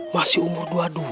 masih umur dua puluh dua